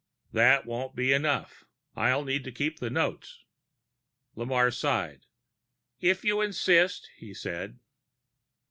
"That won't be enough. I'll need to keep the notes." Lamarre sighed. "If you insist," he said.